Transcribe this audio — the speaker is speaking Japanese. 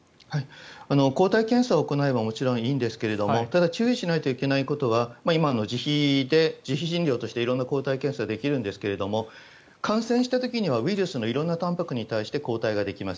抗体検査を行えばもちろんいいんですがただ注意しないといけないことは今、自費で自費診療として色々な抗体検査ができるんですが感染した時には、ウイルスの色々なたんぱくに対して抗体ができます。